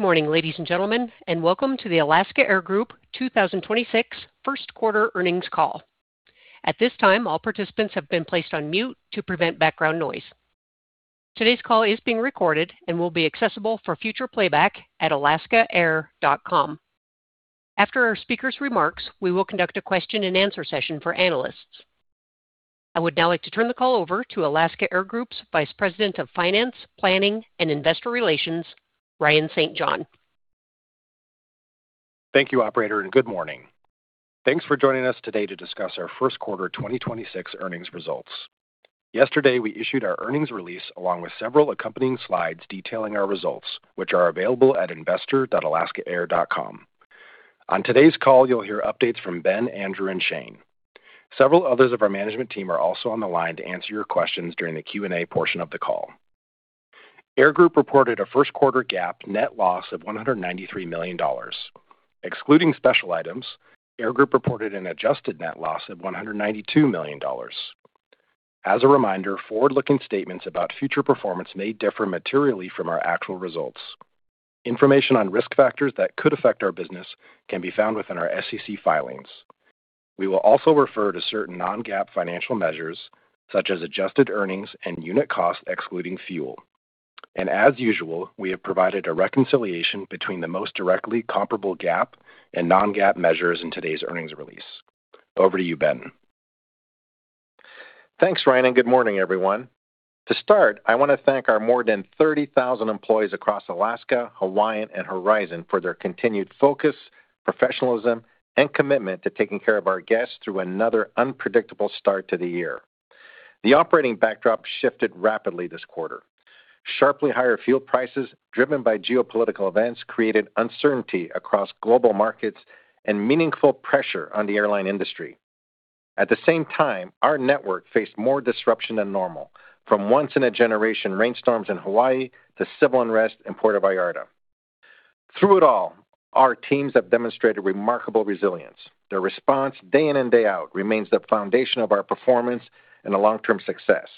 Good morning, ladies and gentlemen, and welcome to the Alaska Air Group 2026 first quarter earnings call. At this time, all participants have been placed on mute to prevent background noise. Today's call is being recorded and will be accessible for future playback at alaskaair.com. After our speakers' remarks, we will conduct a question-and-answer session for analysts. I would now like to turn the call over to Alaska Air Group's Vice President of Finance, Planning, and Investor Relations, Ryan St. John. Thank you operator, and good morning. Thanks for joining us today to discuss our first quarter 2026 earnings results. Yesterday, we issued our earnings release, along with several accompanying slides detailing our results, which are available at investor.alaskaair.com. On today's call, you'll hear updates from Ben, Andrew, and Shane. Several others of our management team are also on the line to answer your questions during the Q&A portion of the call. Air Group reported a first quarter GAAP net loss of $193 million. Excluding special items, Air Group reported an adjusted net loss of $192 million. As a reminder, forward-looking statements about future performance may differ materially from our actual results. Information on risk factors that could affect our business can be found within our SEC filings. We will also refer to certain non-GAAP financial measures, such as adjusted earnings and unit cost excluding fuel. As usual, we have provided a reconciliation between the most directly comparable GAAP and non-GAAP measures in today's earnings release. Over to you, Ben. Thanks, Ryan, and good morning, everyone. To start, I want to thank our more than 30,000 employees across Alaska, Hawaiian, and Horizon for their continued focus, professionalism, and commitment to taking care of our guests through another unpredictable start to the year. The operating backdrop shifted rapidly this quarter. Sharply higher fuel prices driven by geopolitical events created uncertainty across global markets and meaningful pressure on the airline industry. At the same time, our network faced more disruption than normal, from once-in-a-generation rainstorms in Hawaii to civil unrest in Puerto Vallarta. Through it all, our teams have demonstrated remarkable resilience. Their response day in and day out remains the foundation of our performance and a long-term success.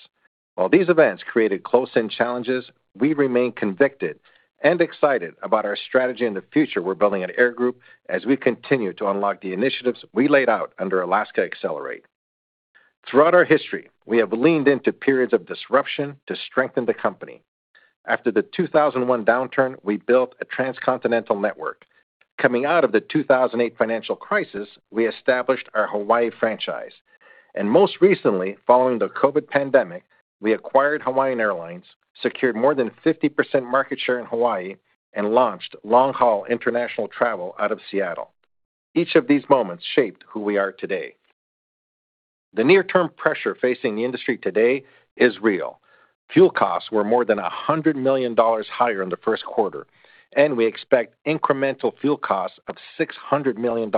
While these events created close-in challenges, we remain convicted and excited about our strategy and the future we're building at Alaska Air Group as we continue to unlock the initiatives we laid out under Alaska Accelerate. Throughout our history, we have leaned into periods of disruption to strengthen the company. After the 2001 downturn, we built a transcontinental network. Coming out of the 2008 financial crisis, we established our Hawaii franchise. Most recently, following the COVID pandemic, we acquired Hawaiian Airlines, secured more than 50% market share in Hawaii, and launched long-haul international travel out of Seattle. Each of these moments shaped who we are today. The near-term pressure facing the industry today is real. Fuel costs were more than $100 million higher in the first quarter, and we expect incremental fuel costs of $600 million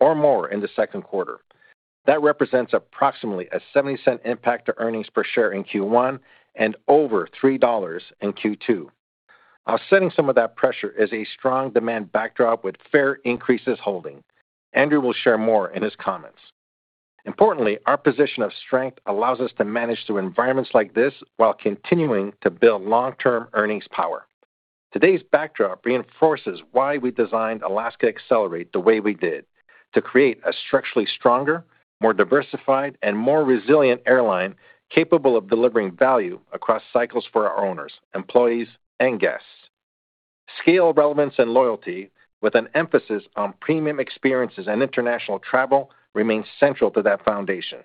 or more in the second quarter. That represents approximately a $0.70 impact to earnings per share in Q1 and over $3 in Q2. Offsetting some of that pressure is a strong demand backdrop with fare increases holding. Andrew will share more in his comments. Importantly, our position of strength allows us to manage through environments like this while continuing to build long-term earnings power. Today's backdrop reinforces why we designed Alaska Accelerate the way we did: to create a structurally stronger, more diversified, and more resilient airline capable of delivering value across cycles for our owners, employees, and guests. Scale, relevance, and loyalty with an emphasis on premium experiences and international travel remains central to that foundation.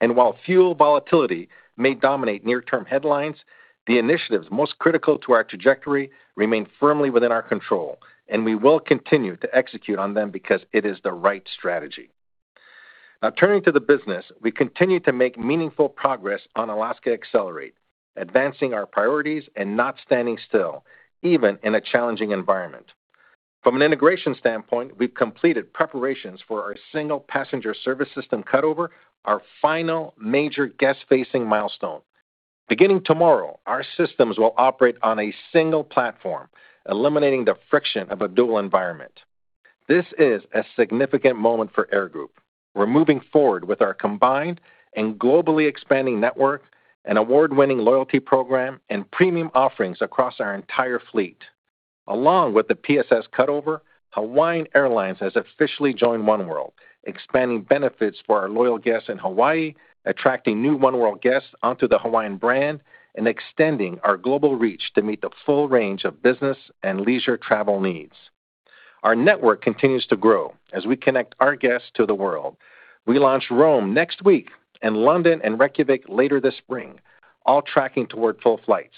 While fuel volatility may dominate near-term headlines, the initiatives most critical to our trajectory remain firmly within our control, and we will continue to execute on them because it is the right strategy. Now turning to the business, we continue to make meaningful progress on Alaska Accelerate, advancing our priorities and not standing still, even in a challenging environment. From an integration standpoint, we've completed preparations for our single passenger service system cutover, our final major guest-facing milestone. Beginning tomorrow, our systems will operate on a single platform, eliminating the friction of a dual environment. This is a significant moment for Alaska Air Group. We're moving forward with our combined and globally expanding network, an award-winning loyalty program, and premium offerings across our entire fleet. Along with the PSS cutover, Hawaiian Airlines has officially joined Oneworld, expanding benefits for our loyal guests in Hawaii, attracting new Oneworld guests onto the Hawaiian brand, and extending our global reach to meet the full range of business and leisure travel needs. Our network continues to grow as we connect our guests to the world. We launch Rome next week and London and Reykjavík later this spring, all tracking toward full flights.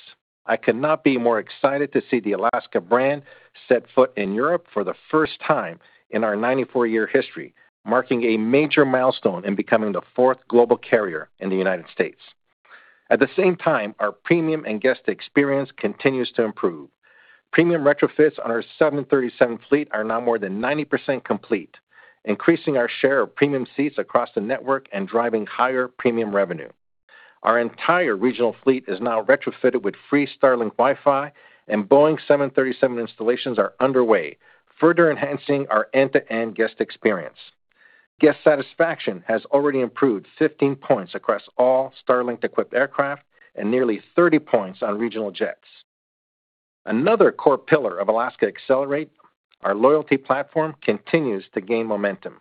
I could not be more excited to see the Alaska brand set foot in Europe for the first time in our 94-year history, marking a major milestone in becoming the fourth global carrier in the United States. At the same time, our premium and guest experience continues to improve. Premium retrofits on our 737 fleet are now more than 90% complete, increasing our share of premium seats across the network and driving higher premium revenue. Our entire regional fleet is now retrofitted with free Starlink Wi-Fi, and Boeing 737 installations are underway, further enhancing our end-to-end guest experience. Guest satisfaction has already improved 15 points across all Starlink-equipped aircraft and nearly 30 points on regional jets. Another core pillar of Alaska Accelerate, our loyalty platform, continues to gain momentum.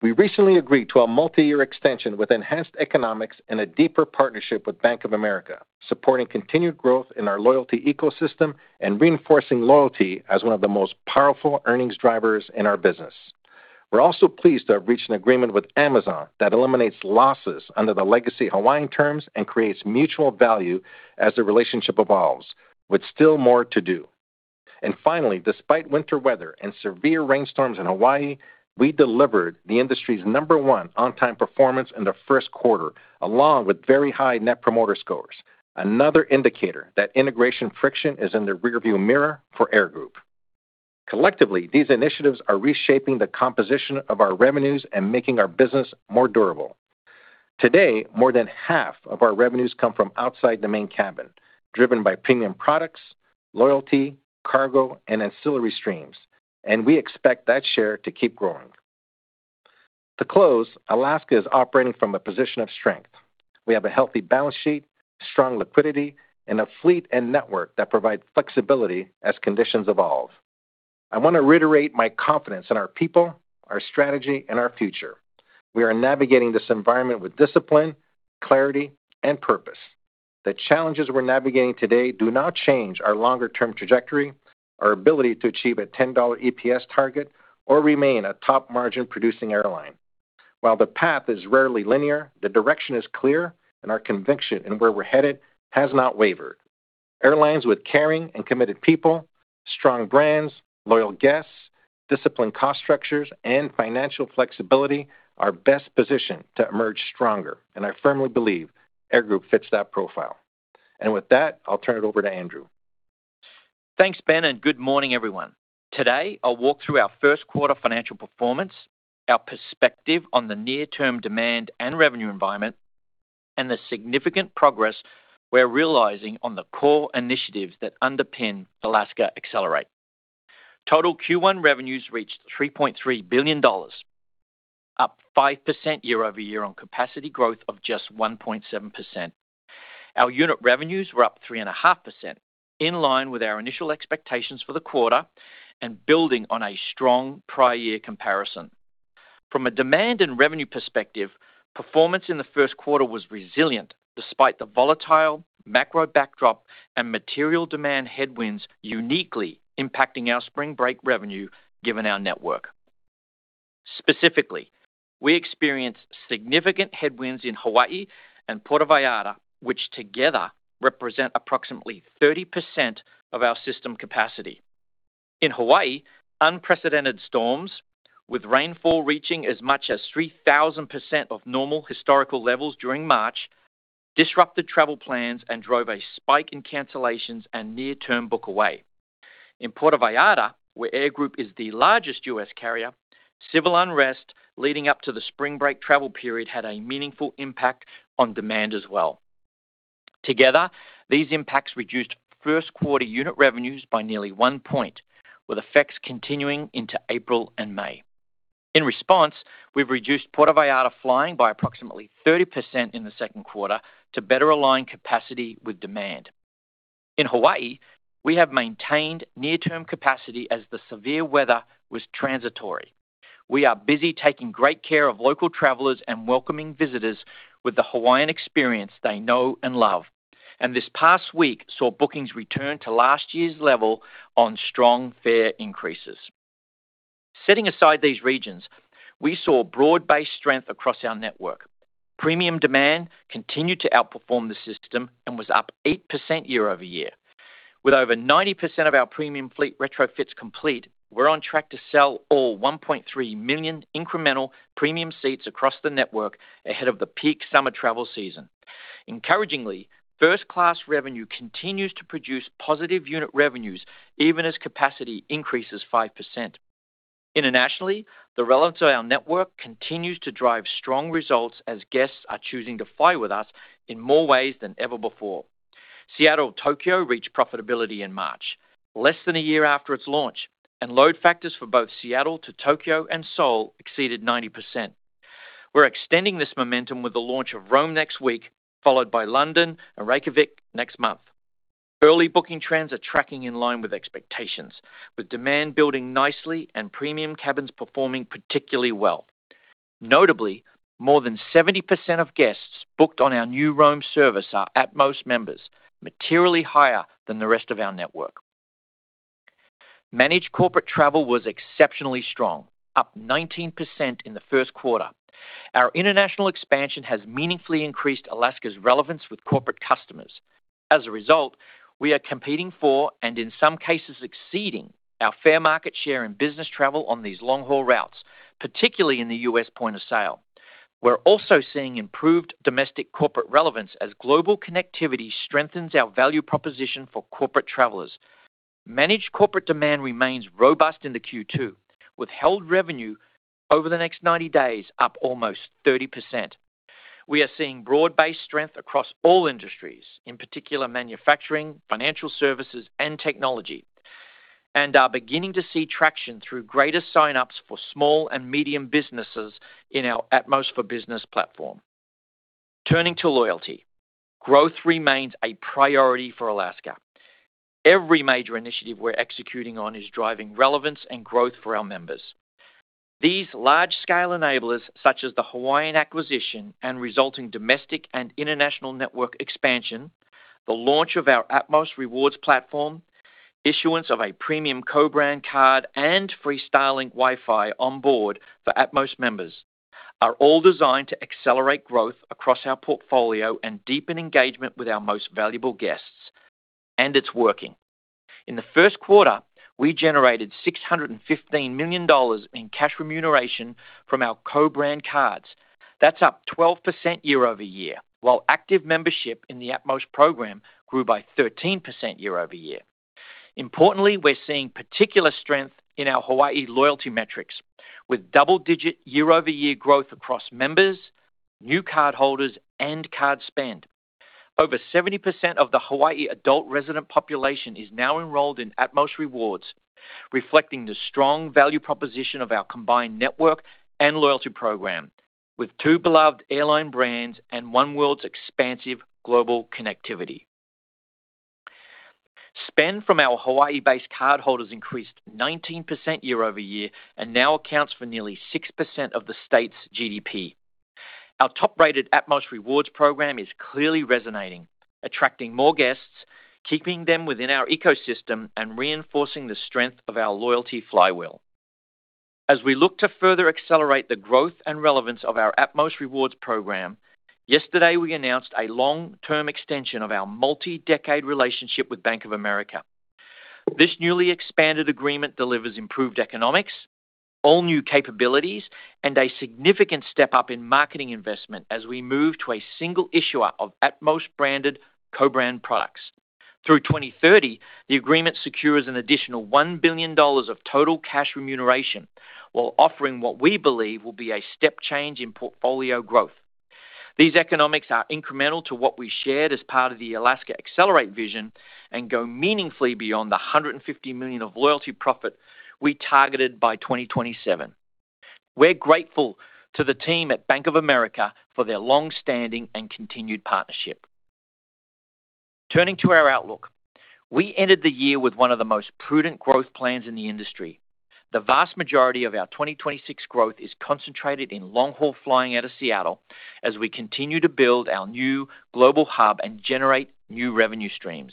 We recently agreed to a multi-year extension with enhanced economics and a deeper partnership with Bank of America, supporting continued growth in our loyalty ecosystem and reinforcing loyalty as one of the most powerful earnings drivers in our business. We're also pleased to have reached an agreement with Amazon that eliminates losses under the legacy Hawaiian terms and creates mutual value as the relationship evolves, with still more to do. Despite winter weather and severe rainstorms in Hawaii, we delivered the industry's number one on-time performance in the first quarter, along with very high net promoter scores, another indicator that integration friction is in the rear-view mirror for Air Group. Collectively, these initiatives are reshaping the composition of our revenues and making our business more durable. Today, more than half of our revenues come from outside the main cabin, driven by premium products, loyalty, cargo, and ancillary streams, and we expect that share to keep growing. To close, Alaska is operating from a position of strength. We have a healthy balance sheet, strong liquidity, and a fleet and network that provide flexibility as conditions evolve. I want to reiterate my confidence in our people, our strategy, and our future. We are navigating this environment with discipline, clarity, and purpose. The challenges we're navigating today do not change our longer-term trajectory, our ability to achieve a $10 EPS target, or remain a top margin-producing airline. While the path is rarely linear, the direction is clear, and our conviction in where we're headed has not wavered. Airlines with caring and committed people, strong brands, loyal guests, disciplined cost structures, and financial flexibility are best positioned to emerge stronger, and I firmly believe Air Group fits that profile. With that, I'll turn it over to Andrew. Thanks, Ben, and good morning, everyone. Today, I'll walk through our first quarter financial performance, our perspective on the near-term demand and revenue environment, and the significant progress we're realizing on the core initiatives that underpin Alaska Accelerate. Total Q1 revenues reached $3.3 billion, up 5% year-over-year on capacity growth of just 1.7%. Our unit revenues were up 3.5%, in line with our initial expectations for the quarter and building on a strong prior year comparison. From a demand and revenue perspective, performance in the first quarter was resilient despite the volatile macro backdrop and material demand headwinds uniquely impacting our spring break revenue, given our network. Specifically, we experienced significant headwinds in Hawaii and Puerto Vallarta, which together represent approximately 30% of our system capacity. In Hawaii, unprecedented storms, with rainfall reaching as much as 3,000% of normal historical levels during March, disrupted travel plans and drove a spike in cancellations and near-term book away. In Puerto Vallarta, where Air Group is the largest U.S. carrier, civil unrest leading up to the spring break travel period had a meaningful impact on demand as well. Together, these impacts reduced first quarter unit revenues by nearly one point, with effects continuing into April and May. In response, we've reduced Puerto Vallarta flying by approximately 30% in the second quarter to better align capacity with demand. In Hawaii, we have maintained near-term capacity as the severe weather was transitory. We are busy taking great care of local travelers and welcoming visitors with the Hawaiian experience they know and love. This past week saw bookings return to last year's level on strong fare increases. Setting aside these regions, we saw broad-based strength across our network. Premium demand continued to outperform the system and was up 8% year-over-year. With over 90% of our premium fleet retrofits complete, we're on track to sell all 1.3 million incremental premium seats across the network ahead of the peak summer travel season. Encouragingly, first-class revenue continues to produce positive unit revenues even as capacity increases 5%. Internationally, the relevance of our network continues to drive strong results as guests are choosing to fly with us in more ways than ever before. Seattle to Tokyo reached profitability in March, less than a year after its launch, and load factors for both Seattle to Tokyo and Seoul exceeded 90%. We're extending this momentum with the launch of Rome next week, followed by London and Reykjavík next month. Early booking trends are tracking in line with expectations, with demand building nicely and premium cabins performing particularly well. Notably, more than 70% of guests booked on our new Rome service are Atmos members, materially higher than the rest of our network. Managed corporate travel was exceptionally strong, up 19% in the first quarter. Our international expansion has meaningfully increased Alaska's relevance with corporate customers. As a result, we are competing for, and in some cases, exceeding our fair market share in business travel on these long-haul routes, particularly in the U.S. point of sale. We're also seeing improved domestic corporate relevance as global connectivity strengthens our value proposition for corporate travelers. Managed corporate demand remains robust into Q2, withheld revenue over the next 90 days up almost 30%. We are seeing broad-based strength across all industries, in particular manufacturing, financial services, and technology, and are beginning to see traction through greater sign-ups for small and medium businesses in our Atmos for Business platform. Turning to loyalty. Growth remains a priority for Alaska. Every major initiative we're executing on is driving relevance and growth for our members. These large-scale enablers, such as the Hawaiian acquisition and resulting domestic and international network expansion, the launch of our Atmos Rewards platform, issuance of a premium co-brand card, and free, high-speed Wi-Fi on board for Atmos members, are all designed to accelerate growth across our portfolio and deepen engagement with our most valuable guests, and it's working. In the first quarter, we generated $615 million in cash remuneration from our co-brand cards. That's up 12% year-over-year, while active membership in the Atmos program grew by 13% year-over-year. Importantly, we're seeing particular strength in our Hawaii loyalty metrics with double-digit year-over-year growth across members, new cardholders, and card spend. Over 70% of the Hawaii adult resident population is now enrolled in Atmos Rewards, reflecting the strong value proposition of our combined network and loyalty program with two beloved airline brands and Oneworld's expansive global connectivity. Spend from our Hawaii-based cardholders increased 19% year-over-year and now accounts for nearly 6% of the state's GDP. Our top-rated Atmos Rewards program is clearly resonating, attracting more guests, keeping them within our ecosystem, and reinforcing the strength of our loyalty flywheel. As we look to further accelerate the growth and relevance of our Atmos Rewards program, yesterday we announced a long-term extension of our multi-decade relationship with Bank of America. This newly expanded agreement delivers improved economics, all new capabilities, and a significant step-up in marketing investment as we move to a single issuer of Atmos-branded co-brand products. Through 2030, the agreement secures an additional $1 billion of total cash remuneration while offering what we believe will be a step change in portfolio growth. These economics are incremental to what we shared as part of the Alaska Accelerate vision and go meaningfully beyond the $150 million of loyalty profit we targeted by 2027. We're grateful to the team at Bank of America for their long-standing and continued partnership. Turning to our outlook. We ended the year with one of the most prudent growth plans in the industry. The vast majority of our 2026 growth is concentrated in long-haul flying out of Seattle as we continue to build our new global hub and generate new revenue streams.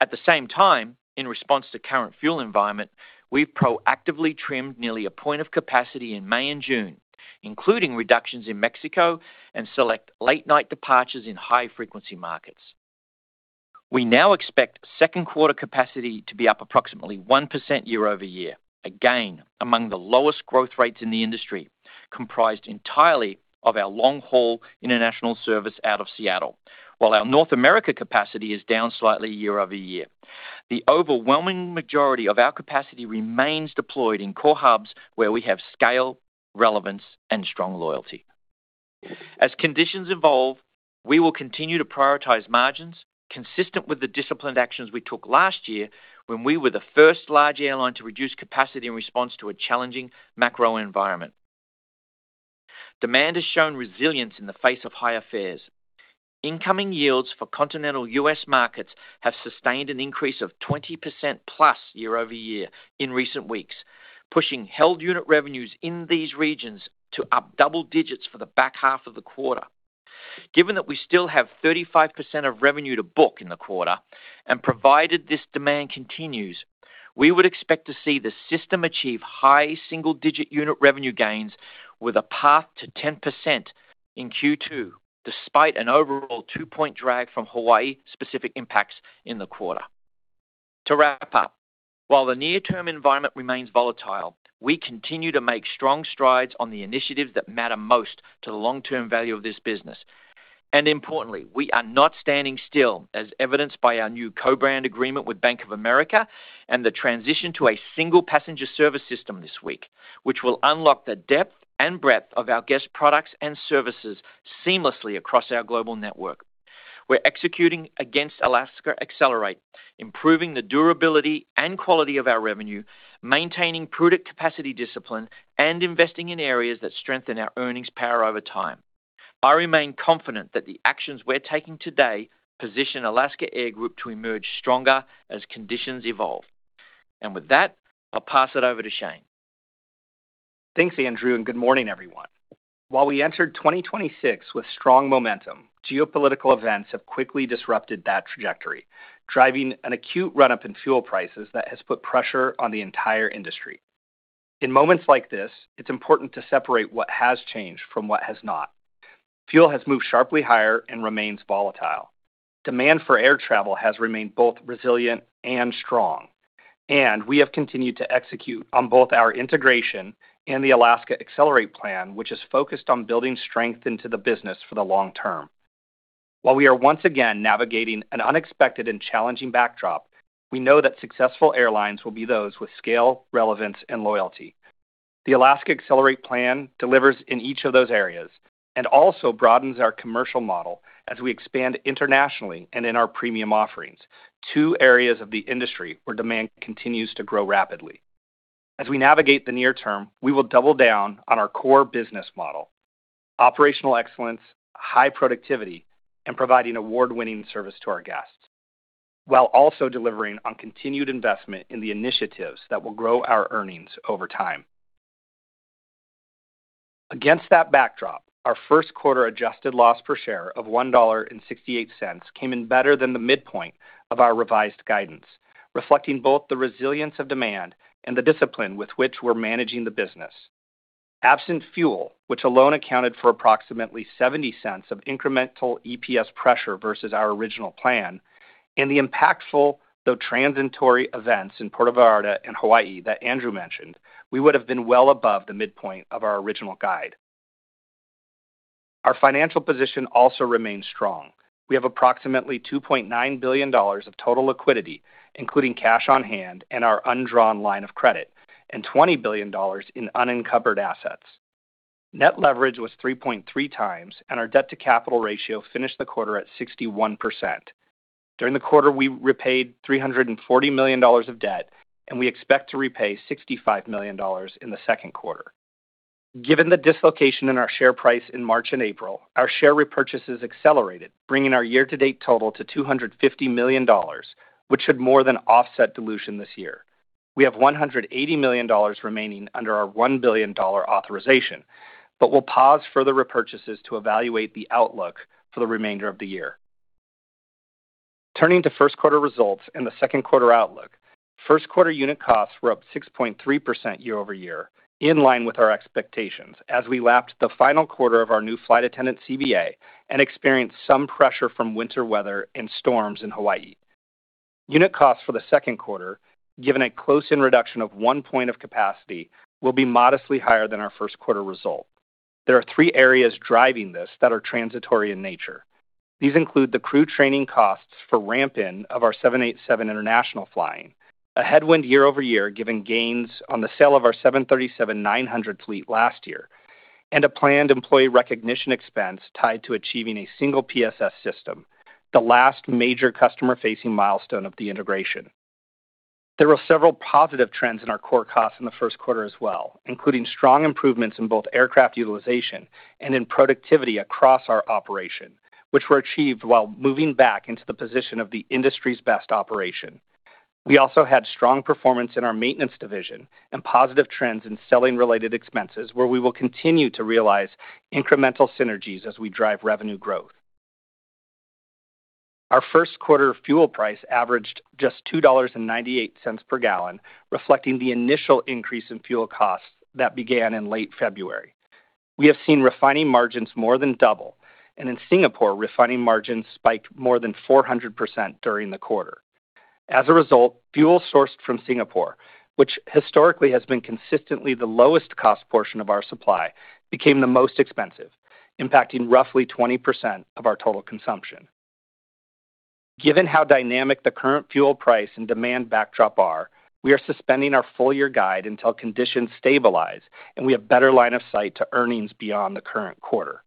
At the same time, in response to current fuel environment, we've proactively trimmed nearly a point of capacity in May and June, including reductions in Mexico and select late-night departures in high-frequency markets. We now expect second quarter capacity to be up approximately 1% year-over-year, again among the lowest growth rates in the industry, comprised entirely of our long-haul international service out of Seattle, while our North America capacity is down slightly year-over-year. The overwhelming majority of our capacity remains deployed in core hubs where we have scale, relevance, and strong loyalty. As conditions evolve, we will continue to prioritize margins consistent with the disciplined actions we took last year when we were the first large airline to reduce capacity in response to a challenging macro environment. Demand has shown resilience in the face of higher fares. Incoming yields for continental U.S. markets have sustained an increase of 20% plus year-over-year in recent weeks, pushing held unit revenues in these regions to up double digits for the back half of the quarter. Given that we still have 35% of revenue to book in the quarter, and provided this demand continues, we would expect to see the system achieve high single-digit unit revenue gains with a path to 10% in Q2, despite an overall two-point drag from Hawaii specific impacts in the quarter. To wrap up, while the near-term environment remains volatile, we continue to make strong strides on the initiatives that matter most to the long-term value of this business. Importantly, we are not standing still, as evidenced by our new co-brand agreement with Bank of America and the transition to a single passenger service system this week, which will unlock the depth and breadth of our guest products and services seamlessly across our global network. We're executing against Alaska Accelerate, improving the durability and quality of our revenue, maintaining prudent capacity discipline, and investing in areas that strengthen our earnings power over time. I remain confident that the actions we're taking today position Alaska Air Group to emerge stronger as conditions evolve. With that, I'll pass it over to Shane. Thanks, Andrew, and good morning, everyone. While we entered 2026 with strong momentum, geopolitical events have quickly disrupted that trajectory, driving an acute run-up in fuel prices that has put pressure on the entire industry. In moments like this, it's important to separate what has changed from what has not. Fuel has moved sharply higher and remains volatile. Demand for air travel has remained both resilient and strong, and we have continued to execute on both our integration and the Alaska Accelerate plan, which is focused on building strength into the business for the long term. While we are once again navigating an unexpected and challenging backdrop, we know that successful airlines will be those with scale, relevance and loyalty. The Alaska Accelerate Plan delivers in each of those areas and also broadens our commercial model as we expand internationally and in our premium offerings, two areas of the industry where demand continues to grow rapidly. As we navigate the near term, we will double down on our core business model, operational excellence, high productivity and providing award-winning service to our guests, while also delivering on continued investment in the initiatives that will grow our earnings over time. Against that backdrop, our first quarter adjusted loss per share of $1.68 came in better than the midpoint of our revised guidance, reflecting both the resilience of demand and the discipline with which we're managing the business. Absent fuel, which alone accounted for approximately $0.70 of incremental EPS pressure versus our original plan, and the impactful, though transitory events in Puerto Vallarta and Hawaii that Andrew mentioned, we would've been well above the midpoint of our original guide. Our financial position also remains strong. We have approximately $2.9 billion of total liquidity, including cash on hand and our undrawn line of credit, and $20 billion in unencumbered assets. Net leverage was 3.3 times, and our debt-to-capital ratio finished the quarter at 61%. During the quarter, we repaid $340 million of debt, and we expect to repay $65 million in the second quarter. Given the dislocation in our share price in March and April, our share repurchases accelerated, bringing our year-to-date total to $250 million, which should more than offset dilution this year. We have $180 million remaining under our $1 billion authorization, but we'll pause further repurchases to evaluate the outlook for the remainder of the year. Turning to first quarter results and the second quarter outlook, first quarter unit costs were up 6.3% year-over-year, in line with our expectations as we lapped the final quarter of our new flight attendant CBA and experienced some pressure from winter weather and storms in Hawaii. Unit costs for the second quarter, given a close-in reduction of one point of capacity, will be modestly higher than our first quarter result. There are three areas driving this that are transitory in nature. These include the crew training costs for ramp-in of our 787 international flying, a headwind year-over-year, given gains on the sale of our 737-900 fleet last year, and a planned employee recognition expense tied to achieving a single PSS system, the last major customer-facing milestone of the integration. There were several positive trends in our core costs in the first quarter as well, including strong improvements in both aircraft utilization and in productivity across our operation, which were achieved while moving back into the position of the industry's best operation. We also had strong performance in our maintenance division and positive trends in selling related expenses where we will continue to realize incremental synergies as we drive revenue growth. Our first quarter fuel price averaged just $2.98 per gallon, reflecting the initial increase in fuel costs that began in late February. We have seen refining margins more than double, and in Singapore, refining margins spiked more than 400% during the quarter. As a result, fuel sourced from Singapore, which historically has been consistently the lowest cost portion of our supply, became the most expensive, impacting roughly 20% of our total consumption. Given how dynamic the current fuel price and demand backdrop are, we are suspending our full year guide until conditions stabilize and we have better line of sight to earnings beyond the current quarter.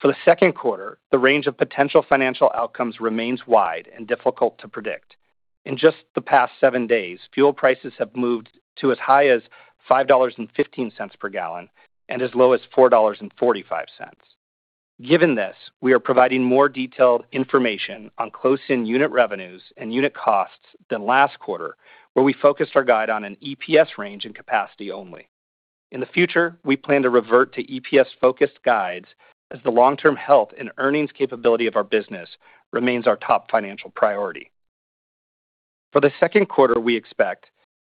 For the second quarter, the range of potential financial outcomes remains wide and difficult to predict. In just the past seven days, fuel prices have moved to as high as $5.15 per gallon and as low as $4.45. Given this, we are providing more detailed information on close-in unit revenues and unit costs than last quarter, where we focused our guide on an EPS range and capacity only. In the future, we plan to revert to EPS-focused guides as the long-term health and earnings capability of our business remains our top financial priority. For the second quarter, we expect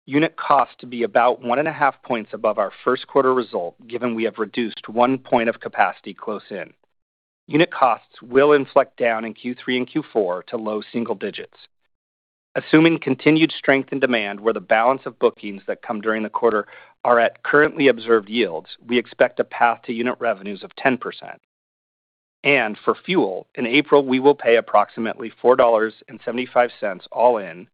unit cost to be about 1.5 points above our first quarter result, given we have reduced 1 point of capacity close in. Unit costs will inflect down in Q3 and Q4 to low single digits. Assuming continued strength in demand where the balance of bookings that come during the quarter are at currently observed yields, we expect a path to unit revenues of 10%. For fuel, in April, we will pay approximately $4.75 all in,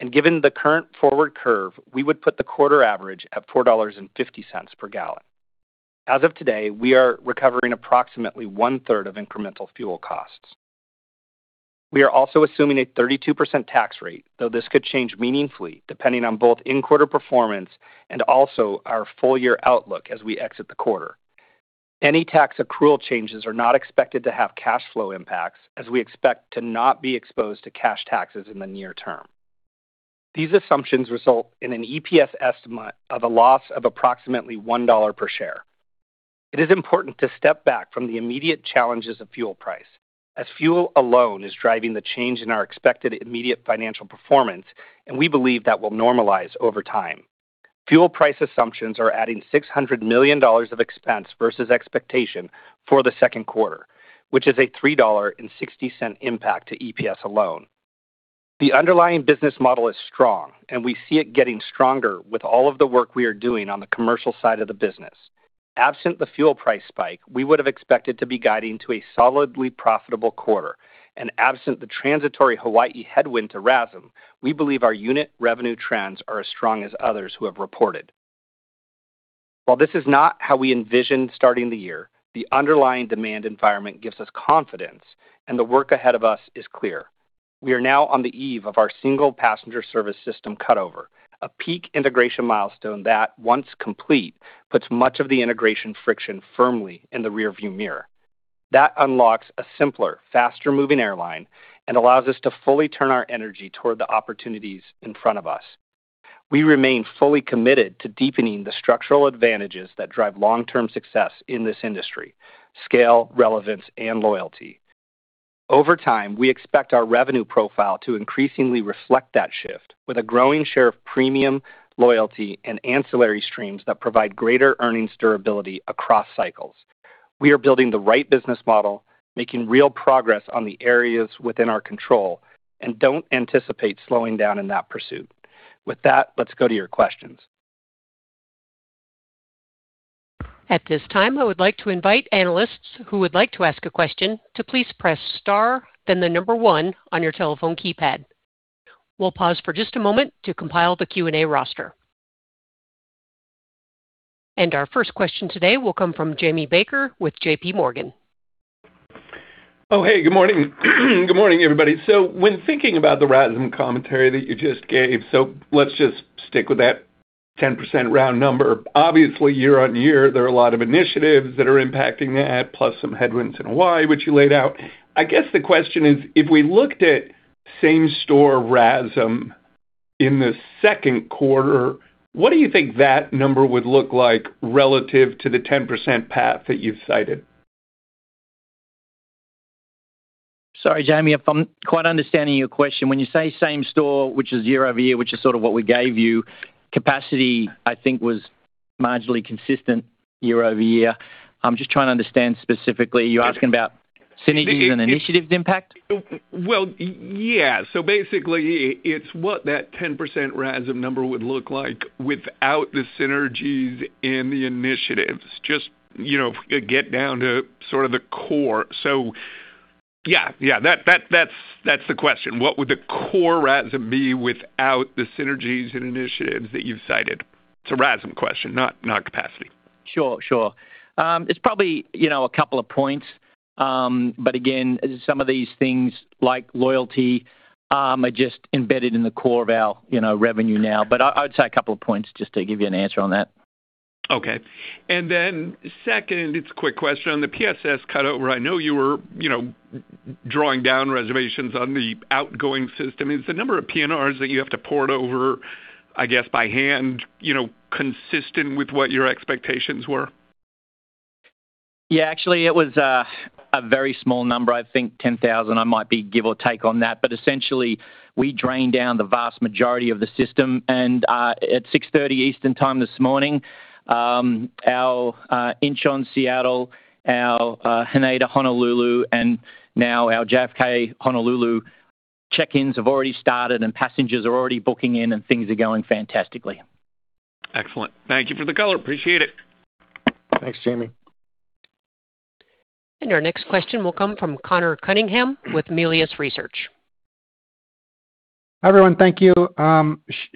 and given the current forward curve, we would put the quarter average at $4.50 per gallon. As of today, we are recovering approximately one-third of incremental fuel costs. We are also assuming a 32% tax rate, though this could change meaningfully depending on both in-quarter performance and also our full year outlook as we exit the quarter. Any tax accrual changes are not expected to have cash flow impacts, as we expect to not be exposed to cash taxes in the near term. These assumptions result in an EPS estimate of a loss of approximately $1 per share. It is important to step back from the immediate challenges of fuel price, as fuel alone is driving the change in our expected immediate financial performance, and we believe that will normalize over time. Fuel price assumptions are adding $600 million of expense versus expectation for the second quarter, which is a $3.60 impact to EPS alone. The underlying business model is strong, and we see it getting stronger with all of the work we are doing on the commercial side of the business. Absent the fuel price spike, we would've expected to be guiding to a solidly profitable quarter, and absent the transitory Hawaii headwind to RASM, we believe our unit revenue trends are as strong as others who have reported. While this is not how we envisioned starting the year, the underlying demand environment gives us confidence, and the work ahead of us is clear. We are now on the eve of our single passenger service system cut over, a peak integration milestone that, once complete, puts much of the integration friction firmly in the rear-view mirror. That unlocks a simpler, faster-moving airline and allows us to fully turn our energy toward the opportunities in front of us. We remain fully committed to deepening the structural advantages that drive long-term success in this industry, scale, relevance, and loyalty. Over time, we expect our revenue profile to increasingly reflect that shift with a growing share of premium loyalty and ancillary streams that provide greater earnings durability across cycles. We are building the right business model, making real progress on the areas within our control, and don't anticipate slowing down in that pursuit. With that, let's go to your questions. At this time, I would like to invite analysts who would like to ask a question to please press star, then the number one on your telephone keypad. We'll pause for just a moment to compile the Q&A roster. Our first question today will come from Jamie Baker with J.P. Morgan. Oh, hey, good morning. Good morning, everybody. When thinking about the RASM commentary that you just gave, so let's just stick with that 10% round number. Obviously, year-over-year, there are a lot of initiatives that are impacting that, plus some headwinds in Hawaii, which you laid out. I guess the question is, if we looked at same-store RASM in the second quarter, what do you think that number would look like relative to the 10% path that you've cited? Sorry, Jamie, if I'm not quite understanding your question. When you say same store, which is year-over-year, which is sort of what we gave you, capacity, I think was marginally consistent year-over-year. I'm just trying to understand specifically, are you asking about synergies and initiatives impact? Well, yeah. Basically, it's what that 10% RASM number would look like without the synergies and the initiatives, just to get down to sort of the core. Yeah. That's the question. What would the core RASM be without the synergies and initiatives that you've cited? It's a RASM question, not capacity. Sure. It's probably a couple of points. Again, some of these things, like loyalty, are just embedded in the core of our revenue now, but I would say a couple of points just to give you an answer on that. Okay. Second, it's a quick question on the PSS cut over. I know you were drawing down reservations on the outgoing system. Is the number of PNRs that you have to port over, I guess, by hand consistent with what your expectations were? Yeah, actually, it was a very small number. I think 10,000. I might be give or take on that. Essentially, we drained down the vast majority of the system. At 6:30 A.M. Eastern Time this morning, our Incheon-Seattle, our Haneda-Honolulu, and now our JFK-Honolulu check-ins have already started, and passengers are already checking in and things are going fantastically. Excellent. Thank you for the color. Appreciate it. Thanks, Jamie. Our next question will come from Conor Cunningham with Melius Research. Hi, everyone. Thank you.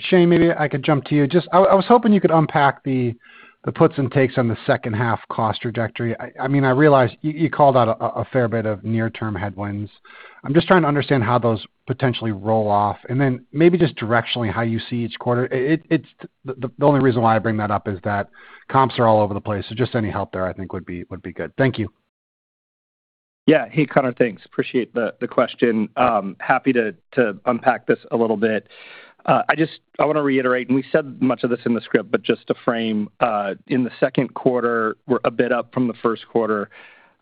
Shane, maybe I could jump to you. Just, I was hoping you could unpack the puts and takes on the second half cost trajectory. I realize you called out a fair bit of near-term headwinds. I'm just trying to understand how those potentially roll off, and then maybe just directionally how you see each quarter. The only reason why I bring that up is that comps are all over the place. Just any help there I think would be good. Thank you. Yeah. Hey, Conor. Thanks. Appreciate the question. Happy to unpack this a little bit. I want to reiterate, and we said much of this in the script, but just to frame, in the second quarter, we're a bit up from the first quarter.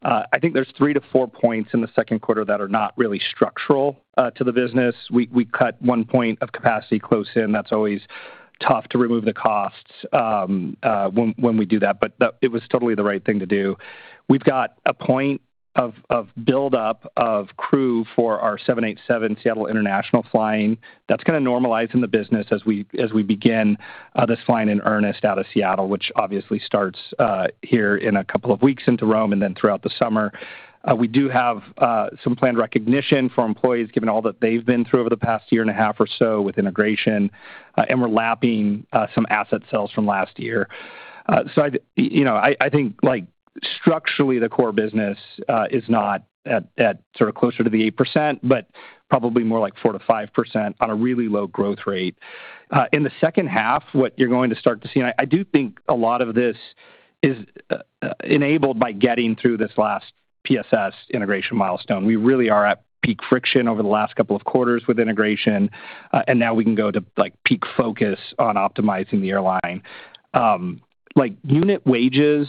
I think there's 3 to 4 points in the second quarter that are not really structural to the business. We cut 1 point of capacity close in. That's always tough to remove the costs when we do that, but it was totally the right thing to do. We've got a point of build-up of crew for our 787 Seattle International flying. That's gonna normalize in the business as we begin this flying in earnest out of Seattle, which obviously starts here in a couple of weeks into Rome, and then throughout the summer. We do have some planned recognition for employees, given all that they've been through over the past year and a half or so with integration, and we're lapping some asset sales from last year. I think structurally, the core business is not at sort of closer to the 8%, but probably more like 4%-5% on a really low growth rate. In the second half, what you're going to start to see, and I do think a lot of this is enabled by getting through this last PSS integration milestone. We really are at peak friction over the last couple of quarters with integration, and now we can go to peak focus on optimizing the airline. Like, unit wages.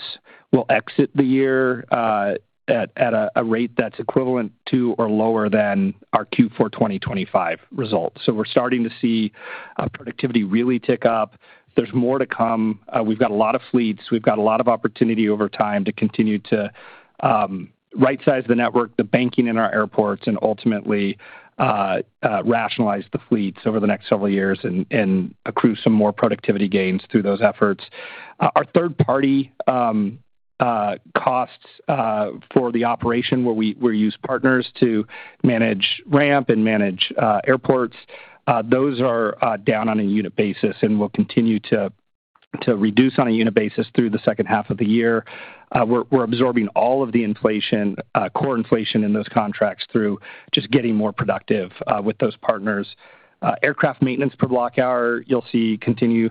We'll exit the year at a rate that's equivalent to or lower than our Q4 2025 results. We're starting to see our productivity really tick up. There's more to come. We've got a lot of fleets. We've got a lot of opportunity over time to continue to right-size the network, the banking in our airports, and ultimately, rationalize the fleets over the next several years and accrue some more productivity gains through those efforts. Our third-party costs for the operation where we use partners to manage ramp and manage airports, those are down on a unit basis and will continue to reduce on a unit basis through the second half of the year. We're absorbing all of the core inflation in those contracts through just getting more productive with those partners. Aircraft maintenance per block hour, you'll see continue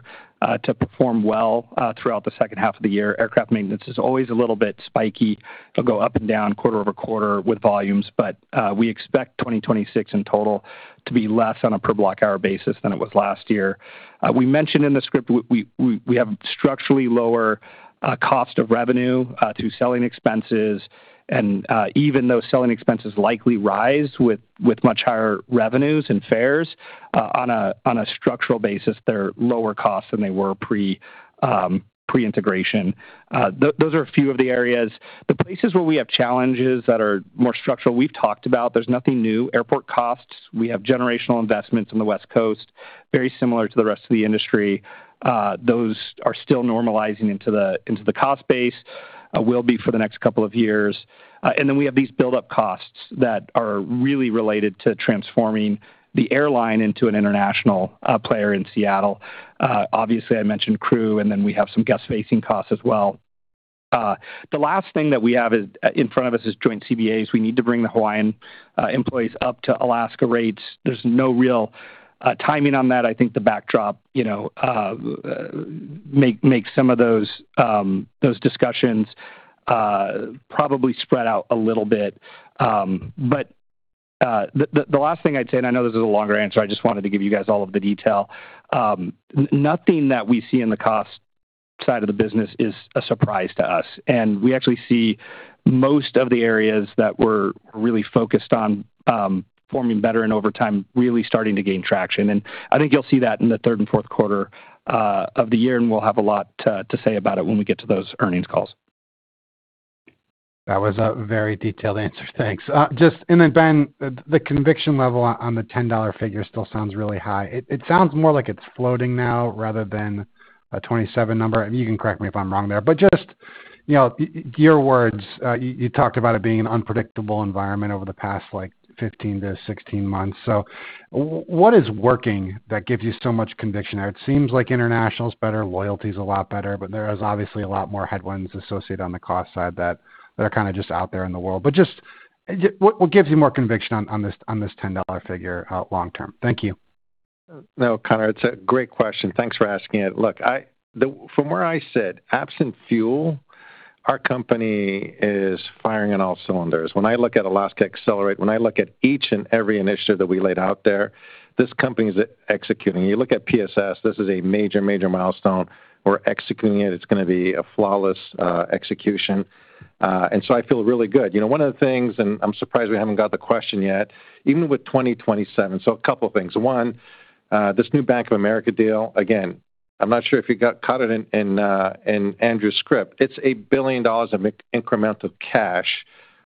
to perform well throughout the second half of the year. Aircraft maintenance is always a little bit spiky. It'll go up and down quarter-over-quarter with volumes, but we expect 2026 in total to be less on a per block hour basis than it was last year. We mentioned in the script, we have structurally lower cost of revenue to selling expenses. Even though selling expenses likely rise with much higher revenues and fares, on a structural basis, they're lower cost than they were pre-integration. Those are a few of the areas. The places where we have challenges that are more structural, we've talked about, there's nothing new. Airport costs, we have generational investments on the West Coast, very similar to the rest of the industry. Those are still normalizing into the cost base, will be for the next couple of years. Then we have these build-up costs that are really related to transforming the airline into an international player in Seattle. Obviously, I mentioned crew, and then we have some guest-facing costs as well. The last thing that we have in front of us is joint CBAs. We need to bring the Hawaiian employees up to Alaska rates. There's no real timing on that. I think the backdrop makes some of those discussions probably spread out a little bit. But the last thing I'd say, and I know this is a longer answer, I just wanted to give you guys all of the detail. Nothing that we see in the cost side of the business is a surprise to us. We actually see most of the areas that we're really focused on performing better and over time, really starting to gain traction. I think you'll see that in the third and fourth quarter of the year, and we'll have a lot to say about it when we get to those earnings calls. That was a very detailed answer. Thanks. Ben, the conviction level on the $10 figure still sounds really high. It sounds more like it's floating now rather than a $27 number. You can correct me if I'm wrong there, but just your words, you talked about it being an unpredictable environment over the past 15 to 16 months. What is working that gives you so much conviction there? It seems like international is better, loyalty is a lot better, but there is obviously a lot more headwinds associated on the cost side that are just out there in the world. Just, what gives you more conviction on this $10 figure long-term? Thank you. No, Conor, it's a great question. Thanks for asking it. Look, from where I sit, absent fuel, our company is firing on all cylinders. When I look at Alaska Accelerate, when I look at each and every initiative that we laid out there, this company is executing. You look at PSS; this is a major milestone. We're executing it. It's going to be a flawless execution. I feel really good. One of the things, and I'm surprised we haven't got the question yet, even with 2027. A couple of things. One, this new Bank of America deal, again, I'm not sure if you caught it in Andrew's script. It's $1 billion of incremental cash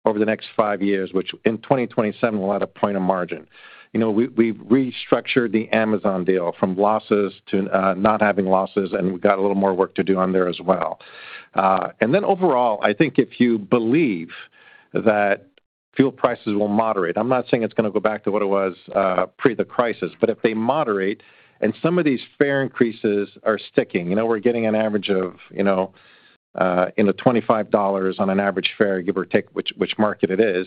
over the next five years, which in 2027 will add a point of margin. We've restructured the Amazon deal from losses to not having losses, and we've got a little more work to do on there as well. Then overall, I think if you believe that fuel prices will moderate, I'm not saying it's going to go back to what it was pre the crisis, but if they moderate and some of these fare increases are sticking, we're getting an average of $25 on an average fare, give or take which market it is.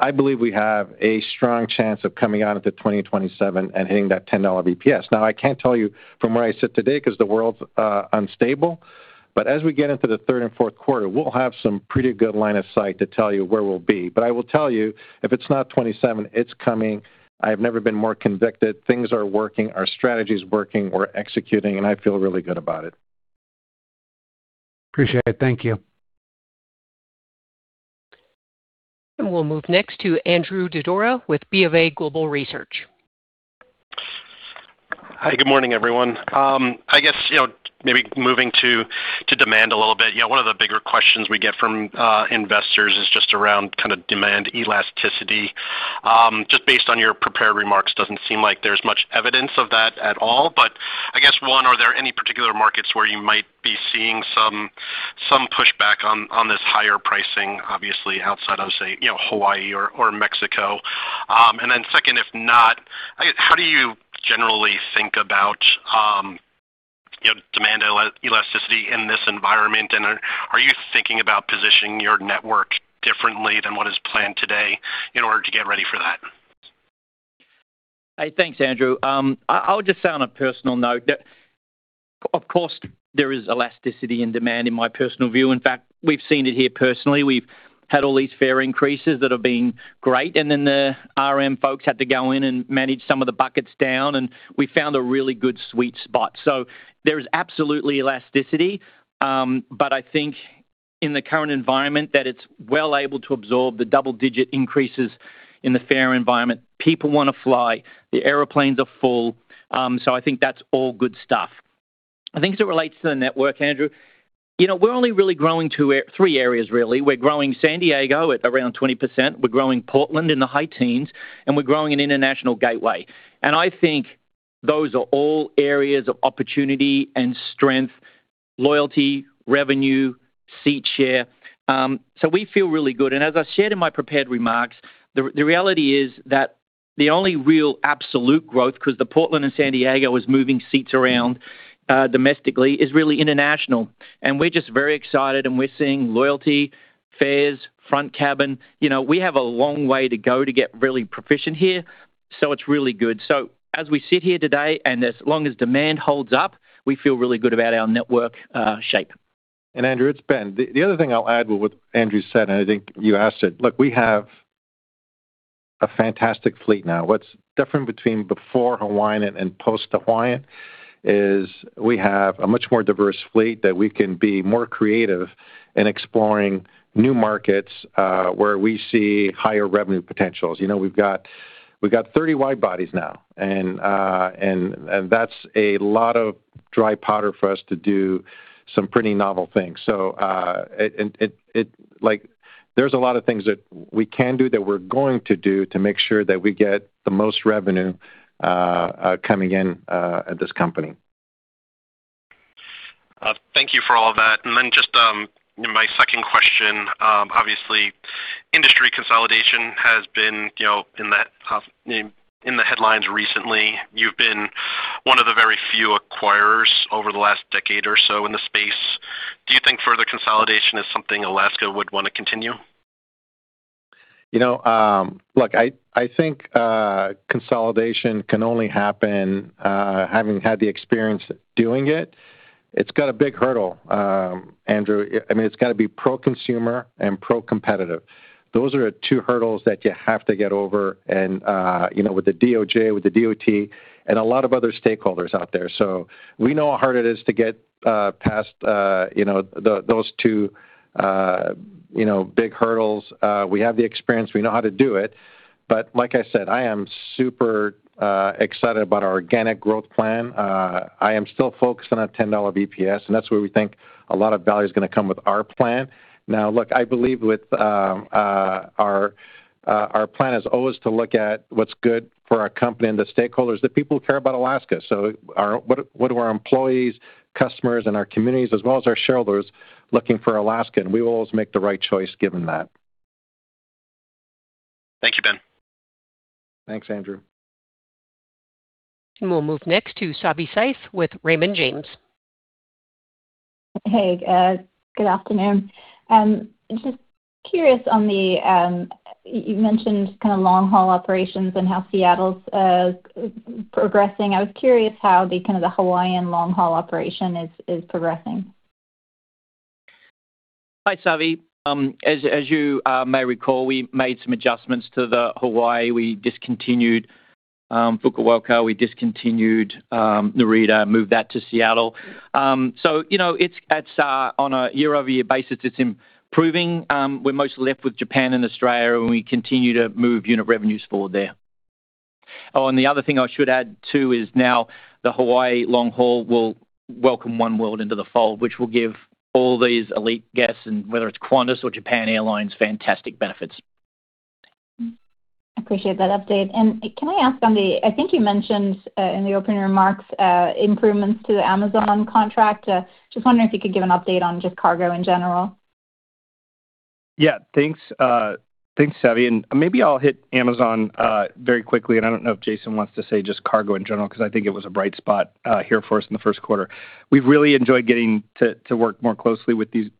I believe we have a strong chance of coming out at the 2027 and hitting that $10 basis points. Now, I can't tell you from where I sit today because the world's unstable, but as we get into the third and fourth quarter, we'll have some pretty good line of sight to tell you where we'll be. I will tell you, if it's not $27, it's coming. I've never been more convicted. Things are working, our strategy is working, we're executing, and I feel really good about it. Appreciate it. Thank you. We'll move next to Andrew Didora with BofA Global Research. Hi, good morning, everyone. I guess, maybe moving to demand a little bit. One of the bigger questions we get from investors is just around demand elasticity. Just based on your prepared remarks, doesn't seem like there's much evidence of that at all, but I guess one, are there any particular markets where you might be seeing some pushback on this higher pricing, obviously outside of, say, Hawaii or Mexico? And then second, if not, how do you generally think about demand elasticity in this environment? And are you thinking about positioning your network differently than what is planned today in order to get ready for that? Hey, thanks, Andrew. I'll just say on a personal note that of course there is elasticity in demand in my personal view. In fact, we've seen it here personally. We've had all these fare increases that have been great, and then the RM folks had to go in and manage some of the buckets down, and we found a really good, sweet spot. There is absolutely elasticity, but I think in the current environment that it's well able to absorb the double-digit increases in the fare environment. People want to fly. The airplanes are full. I think that's all good stuff. I think as it relates to the network, Andrew, we're only really growing three areas really. We're growing San Diego at around 20%, we're growing Portland in the high teens, and we're growing an international gateway. I think those are all areas of opportunity and strength, loyalty, revenue, seat share. We feel really good. As I shared in my prepared remarks, the reality is that the only real absolute growth, because the Portland and San Diego is moving seats around domestically, is really international. We're just very excited and we're seeing loyalty, fares, front cabin. We have a long way to go to get really proficient here, so it's really good. As we sit here today, and as long as demand holds up, we feel really good about our network shape. Andrew, it's Ben. The other thing I'll add with what Andrew said, and I think you asked it, look, we have a fantastic fleet now. What's different between before Hawaiian and post Hawaiian is we have a much more diverse fleet that we can be more creative in exploring new markets, where we see higher revenue potentials. We've got 30 wide bodies now, and that's a lot of dry powder for us to do some pretty novel things. There's a lot of things that we can do that we're going to do to make sure that we get the most revenue coming in at this company. Thank you for all of that. Just my second question, obviously, industry consolidation has been in the headlines recently. You've been one of the very few acquirers over the last decade or so in the space. Do you think further consolidation is something Alaska would want to continue? Look, I think consolidation can only happen, having had the experience doing it. It's got a big hurdle, Andrew. It's got to be pro-consumer and pro-competitive. Those are the two hurdles that you have to get over, with the DOJ, with the DOT, and a lot of other stakeholders out there. We know how hard it is to get past those two big hurdles. We have the experience; we know how to do it. Like I said, I am super excited about our organic growth plan. I am still focused on a 10 basis points, and that's where we think a lot of value is going to come with our plan. Now, look, I believe our plan is always to look at what's good for our company and the stakeholders, the people who care about Alaska. What are our employees, customers, and our communities, as well as our shareholders looking for from Alaska? We will always make the right choice given that. Thank you, Ben. Thanks, Andrew. We'll move next to Savi Syth with Raymond James. Hey, good afternoon. You mentioned long-haul operations and how Seattle's progressing. I was curious how the Hawaiian long-haul operation is progressing. Hi, Savi. As you may recall, we made some adjustments to the Hawaii. We discontinued Fukuoka, we discontinued Narita, moved that to Seattle. On a year-over-year basis, it's improving. We're mostly left with Japan and Australia, and we continue to move unit revenues forward there. Oh, and the other thing I should add, too, is now the Hawaii long haul will welcome Oneworld into the fold, which will give all these elite guests, and whether it's Qantas or Japan Airlines, fantastic benefits. Appreciate that update. Can I ask on the, I think you mentioned in the opening remarks improvements to the Amazon contract. Just wondering if you could give an update on just cargo in general. Yeah. Thanks Savi, and maybe I'll hit Amazon very quickly, and I don't know if Jason wants to say just cargo in general, because I think it was a bright spot here for us in the first quarter. We've really enjoyed getting to work more closely with the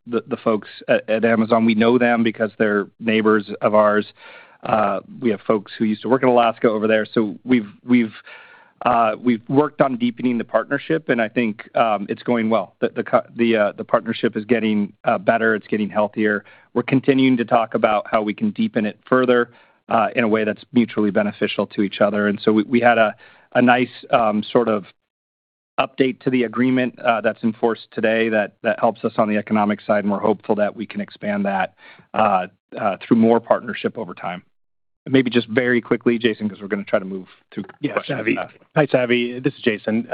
folks at Amazon. We know them because they're neighbors of ours. We have folks who used to work in Alaska over there. We've worked on deepening the partnership, and I think it's going well. The partnership is getting better. It's getting healthier. We're continuing to talk about how we can deepen it further, in a way that's mutually beneficial to each other. We had a nice sort of update to the agreement that's in force today that helps us on the economic side, and we're hopeful that we can expand that through more partnership over time. Maybe just very quickly, Jason, because we're going to try to move to questions. Hi, Savi. This is Jason.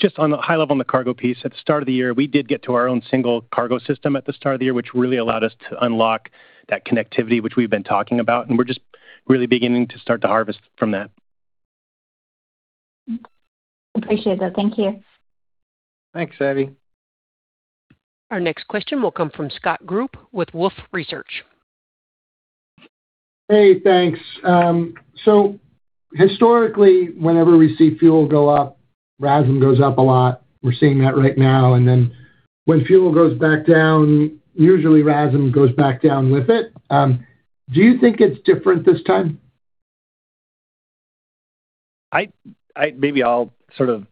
Just on the high level on the cargo piece, at the start of the year, we did get to our own single cargo system at the start of the year, which really allowed us to unlock that connectivity, which we've been talking about, and we're just really beginning to start to harvest from that. Appreciate that. Thank you. Thanks, Savi. Our next question will come from Scott Group with Wolfe Research. Hey, thanks. Historically, whenever we see fuel go up, RASM goes up a lot. We're seeing that right now and then when fuel goes back down, usually RASM goes back down with it. Do you think it's different this time? Maybe I'll sort of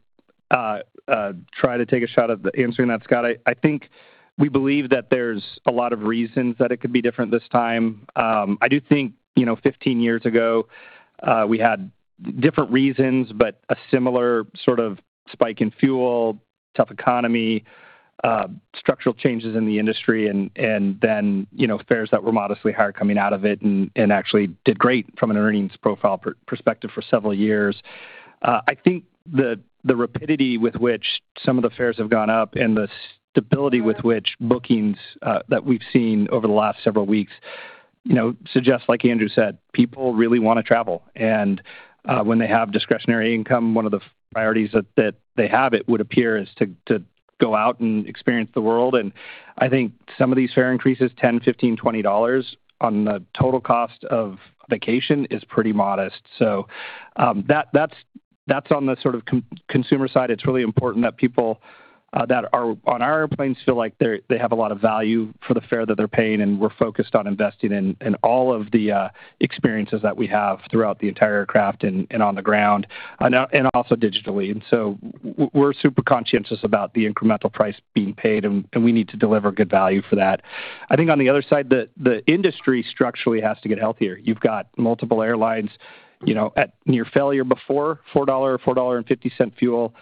try to take a shot at answering that, Scott. I think we believe that there's a lot of reasons that it could be different this time. I do think 15 years ago, we had Different reasons, but a similar sort of spike in fuel, tough economy, structural changes in the industry, and then fares that were modestly higher coming out of it and actually did great from an earnings profile perspective for several years. I think the rapidity with which some of the fares have gone up and the stability with which bookings that we've seen over the last several weeks suggest, like Andrew said, people really want to travel. When they have discretionary income, one of the priorities that they have, it would appear, is to go out and experience the world. I think some of these fare increases, $10, $15, $20 on the total cost of vacation is pretty modest. That's on the consumer side. It's really important that people that are on our airplanes feel like they have a lot of value for the fare that they're paying, and we're focused on investing in all of the experiences that we have throughout the entire aircraft and on the ground, and also digitally. We're super conscientious about the incremental price being paid, and we need to deliver good value for that. I think on the other side, the industry structurally has to get healthier. You've got multiple airlines at near failure before, $4-$4.50 fuel,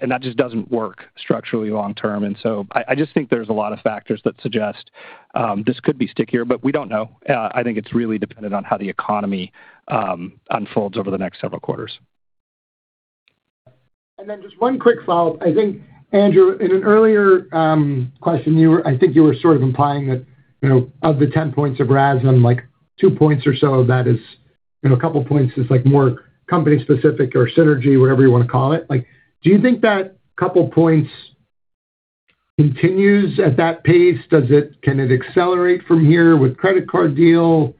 and that just doesn't work structurally long term. I just think there's a lot of factors that suggest this could be stickier, but we don't know. I think it's really dependent on how the economy unfolds over the next several quarters. Just one quick follow-up. I think, Andrew, in an earlier question, I think you were sort of implying that of the 10 points of RASM, two points or so of that is, a couple points is more company specific or synergy, whatever you want to call it. Do you think that couple points continues at that pace? Can it accelerate from here with credit card deal?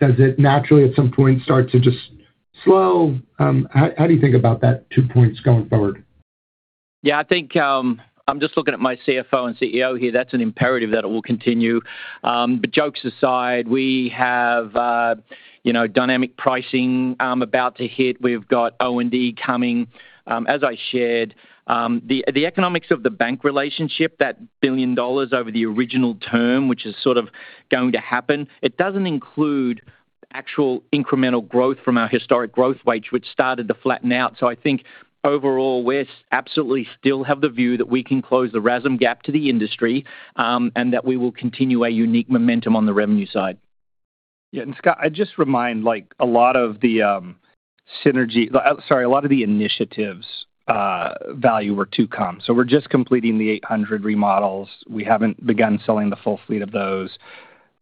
Does it naturally, at some point, start too just slow? How do you think about that two points going forward? Yeah, I think I'm just looking at my CFO and CEO here. That's an imperative that it will continue. Jokes aside, we have dynamic pricing about to hit. We've got O&D coming. As I shared, the economics of the bank relationship, that $1 billion over the original term, which is sort of going to happen, it doesn't include actual incremental growth from our historic growth rates, which started to flatten out. I think overall, we absolutely still have the view that we can close the RASM gap to the industry, and that we will continue our unique momentum on the revenue side. Yeah. Scott, I'd just remind, a lot of the initiatives value were to come. We're just completing the 800 remodels. We haven't begun selling the full fleet of those.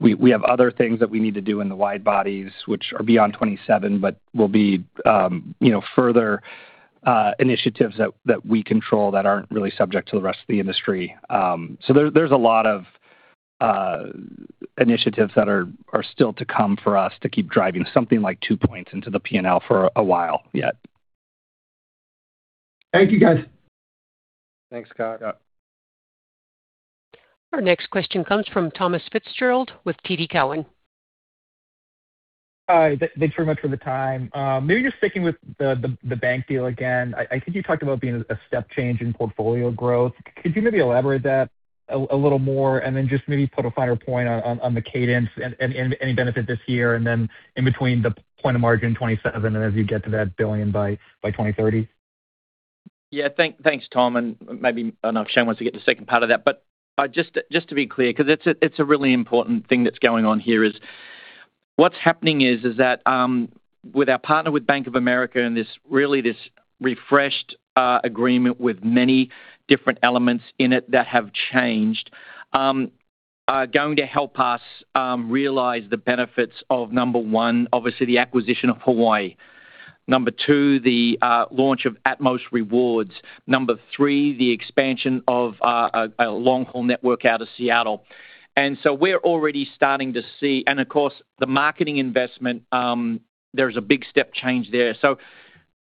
We have other things that we need to do in the wide bodies, which are beyond 27, but will be further initiatives that we control that aren't really subject to the rest of the industry. There's a lot of initiatives that are still to come for us to keep driving something like two points into the P&L for a while yet. Thank you, guys. Thanks, Scott. Yeah. Our next question comes from Tomas Fitzgerald with TD Cowen. Hi. Thanks very much for the time. Maybe just sticking with the bank deal again. I think you talked about being a step change in portfolio growth. Could you maybe elaborate that a little more and then just maybe put a finer point on the cadence and any benefit this year and then in between the point of 27% margin and as you get to that $1 billion by 2030? Yeah. Thanks, Tom, and maybe I don't know if Shane wants to get the second part of that. Just to be clear, because it's a really important thing that's going on here is what's happening is that with our partner with Bank of America and really this refreshed agreement with many different elements in it that have changed are going to help us realize the benefits of, number one, obviously the acquisition of Hawaiian Airlines. Number two, the launch of Atmos Rewards. Number three, the expansion of a long-haul network out of Seattle. We're already starting to see, and of course, the marketing investment. There's a big step change there.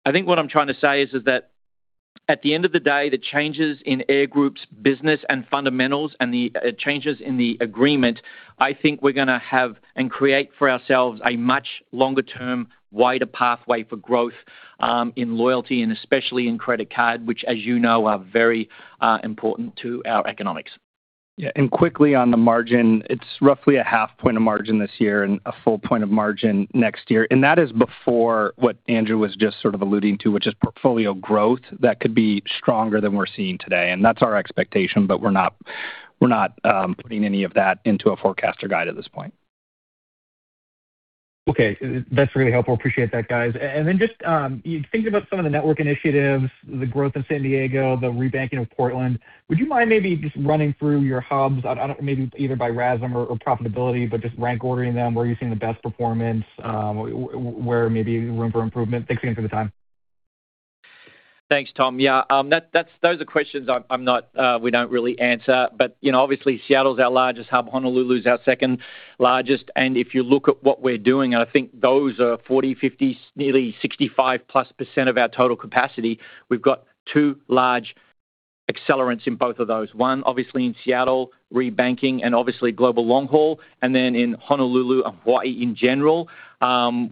I think what I'm trying to say is that at the end of the day, the changes in Air Group's business and fundamentals and the changes in the agreement, I think we're going to have and create for ourselves a much longer term, wider pathway for growth in loyalty and especially in credit card, which as you know, are very important to our economics. Yeah. Quickly on the margin, it's roughly 0.5 point of margin this year and 1 point of margin next year. That is before what Andrew was just sort of alluding to, which is portfolio growth that could be stronger than we're seeing today. That's our expectation, but we're not putting any of that into a forecast or guide at this point. Okay. That's really helpful. Appreciate that, guys. Just thinking about some of the network initiatives, the growth in San Diego, the rebanking of Portland, would you mind maybe just running through your hubs, maybe either by RASM or profitability, but just rank ordering them, where you're seeing the best performance, were maybe room for improvement. Thanks again for the time. Thanks, Tom. Yeah. Those are questions we don't really answer. Obviously, Seattle's our largest hub, Honolulu is our second largest. If you look at what we're doing, and I think those are 40%, 50%, nearly 65+% of our total capacity. We've got two large accelerants in both of those. One, obviously in Seattle, rebanking, and obviously global long haul, and then in Honolulu, Hawaii in general,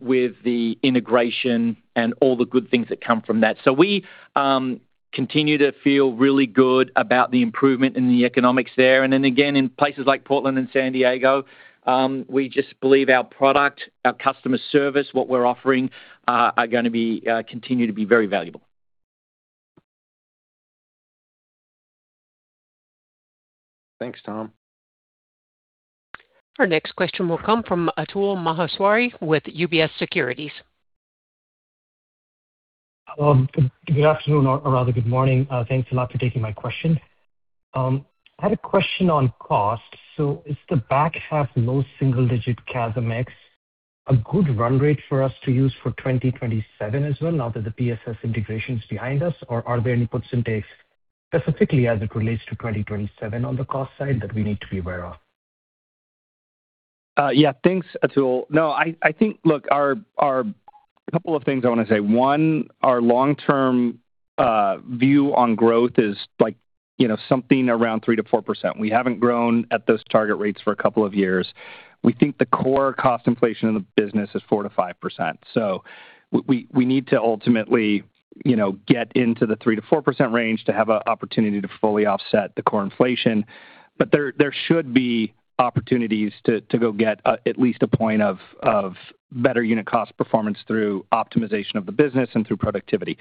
with the integration and all the good things that come from that. We continue to feel really good about the improvement in the economics there. Then again, in places like Portland and San Diego, we just believe our product, our customer service, what we're offering, are going to continue to be very valuable. Thanks, Tom. Our next question will come from Atul Maheshwari with UBS Securities. Hello. Good afternoon, or rather, good morning. Thanks a lot for taking my question. I had a question on cost. Is the back half low single-digit CASM ex a good run rate for us to use for 2027 as well now that the PSS integration is behind us? Or are there any puts and takes specifically as it relates to 2027 on the cost side that we need to be aware of? Yeah. Thanks, Atul. No, a couple of things I want to say. One, our long-term view on growth is something around 3%-4%. We haven't grown at those target rates for a couple of years. We think the core cost inflation in the business is 4%-5%. We need to ultimately get into the 3%-4% range to have an opportunity to fully offset the core inflation. But there should be opportunities to go get at least a point of better unit cost performance through optimization of the business and through productivity.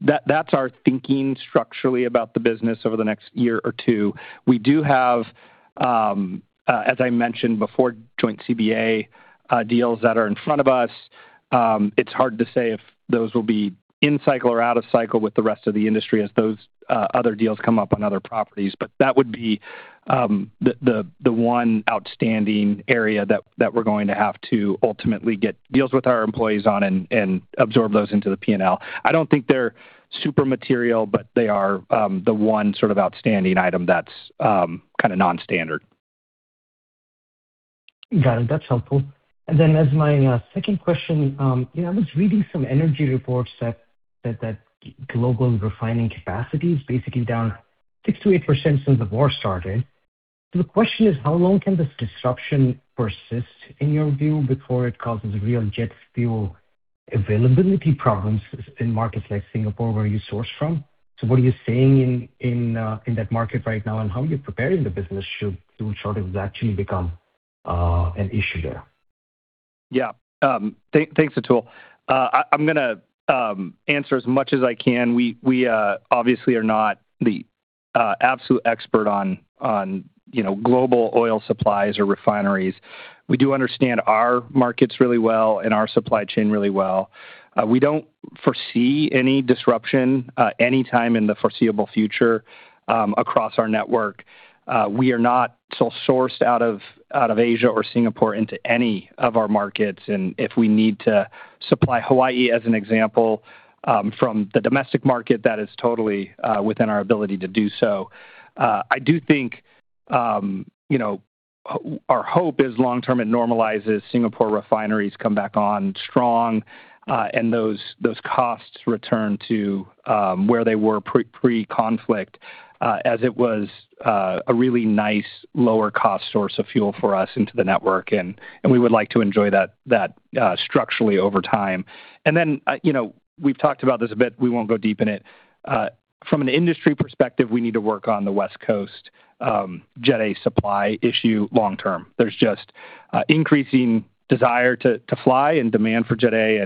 That's our thinking structurally about the business over the next year or two. We do have, as I mentioned before, joint CBA deals that are in front of us. It's hard to say if those will be in cycle or out of cycle with the rest of the industry as those other deals come up on other properties, but that would be the one outstanding area that we're going to have to ultimately get deals with our employees on and absorb those into the P&L. I don't think they're super material, but they are the one sort of outstanding item that's kind of non-standard. Got it. That's helpful. As my second question, I was reading some energy reports that global refining capacity is basically down 6%-8% since the war started. The question is, how long can this disruption persist, in your view, before it causes real jet fuel availability problems in markets like Singapore, where you source from? What are you seeing in that market right now, and how are you preparing the business should those shortages actually become an issue there? Yeah. Thanks, Atul. I'm going to answer as much as I can. We obviously are not the absolute expert on global oil supplies or refineries. We do understand our markets really well and our supply chain really well. We don't foresee any disruption anytime in the foreseeable future across our network. We are not sourced out of Asia or Singapore into any of our markets, and if we need to supply Hawaii, as an example, from the domestic market, that is totally within our ability to do so. Our hope is long-term it normalizes, Singapore refineries come back on strong, and those costs return to where they were pre-conflict, as it was a really nice lower cost source of fuel for us into the network, and we would like to enjoy that structurally over time. We've talked about this a bit. We won't go deep in it. From an industry perspective, we need to work on the West Coast Jet A supply issue long-term. There's just increasing desire to fly and demand for Jet A,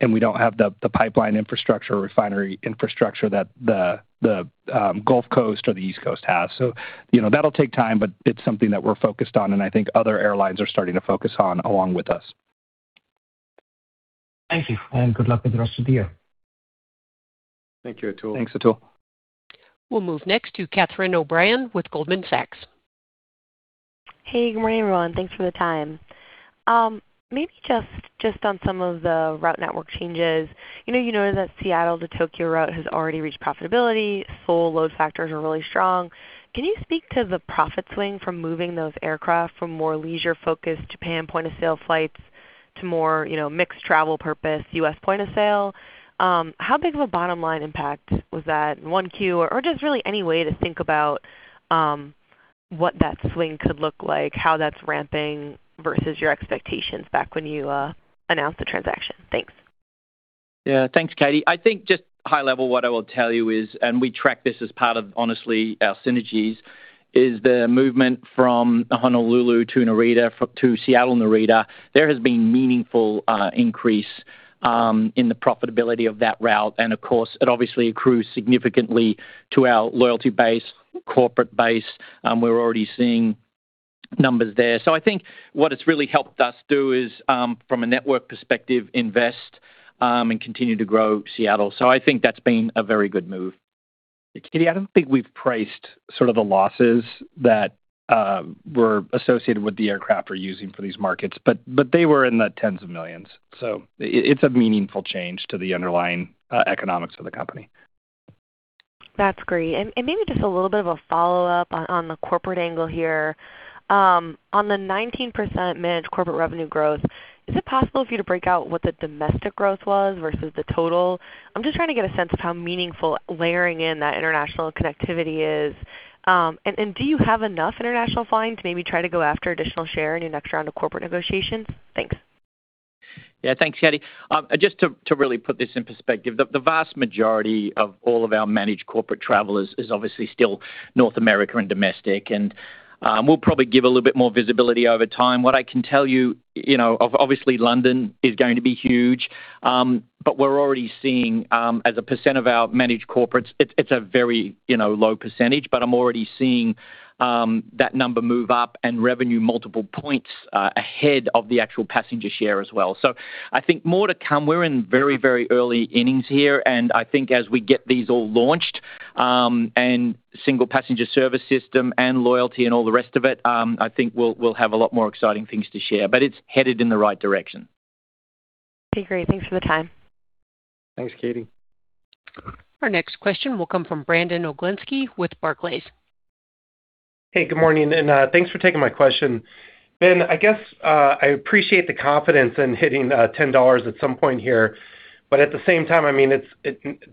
and we don't have the pipeline infrastructure or refinery infrastructure that the Gulf Coast or the East Coast has. That'll take time, but it's something that we're focused on, and I think other airlines are starting to focus on along with us. Thank you, and good luck with the rest of the year. Thank you, Atul. Thanks, Atul. We'll move next to Catherine O'Brien with Goldman Sachs. Hey, good morning, everyone. Thanks for the time. Maybe just on some of the route network changes. You noted that Seattle to Tokyo route has already reached profitability. Full load factors are really strong. Can you speak to the profit swing from moving those aircraft from more leisure-focused Japan point-of-sale flights to more mixed travel purpose U.S. point of sale? How big of a bottom-line impact was that in 1Q? Or just really any way to think about what that swing could look like, how that's ramping versus your expectations back when you announced the transaction? Thanks. Yeah. Thanks, Katie. I think just high level, what I will tell you is, and we track this as part of, honestly, our synergies, is the movement from Honolulu to Narita to Seattle Narita. There has been meaningful increase in the profitability of that route, and of course, it obviously accrues significantly to our loyalty base, corporate base. We're already seeing numbers there. I think what it's really helped us do is from a network perspective, invest and continue to grow Seattle. I think that's been a very good move. Catherine, I don't think we've priced sort of the losses that were associated with the aircraft we're using for these markets, but they were in the $10s of millions. It's a meaningful change to the underlying economics of the company. That's great. Maybe just a little bit of a follow-up on the corporate angle here. On the 19% managed corporate revenue growth, is it possible for you to break out what the domestic growth was versus the total? I'm just trying to get a sense of how meaningful layering in that international connectivity is. Do you have enough international flying to maybe try to go after additional share in your next round of corporate negotiations? Thanks. Yeah, thanks, Catherine. Just to really put this in perspective, the vast majority of all of our managed corporate travel is obviously still North America and domestic, and we'll probably give a little bit more visibility over time. What I can tell you, obviously London is going to be huge, but we're already seeing, as a percent of our managed corporates, it's a very low percentage, but I'm already seeing that number move up and revenue multiple points ahead of the actual passenger share as well. So, I think more to come. We're in very early innings here, and I think as we get these all launched, and single passenger service system and loyalty and all the rest of it, I think we'll have a lot more exciting things to share. It's headed in the right direction. Okay, great. Thanks for the time. Thanks, Katie. Our next question will come from Brandon Oglenski with Barclays. Hey, good morning, and thanks for taking my question. Ben, I guess, I appreciate the confidence in hitting $10 at some point here. But at the same time, it's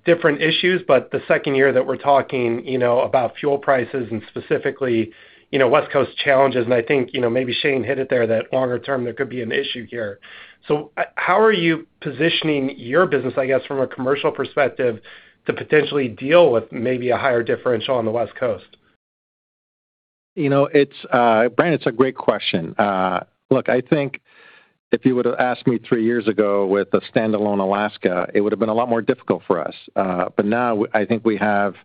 different issues, but the second year that we're talking about fuel prices and specifically, West Coast challenges, and I think, maybe Shane hit it there, that longer term, there could be an issue here. So how are you positioning your business, I guess, from a commercial perspective to potentially deal with maybe a higher differential on the West Coast? Brandon, it's a great question. Look, I think if you would've asked me three years ago with a standalone Alaska, it would've been a lot more difficult for us. Now I think we're